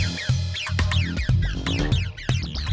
gak tahu juga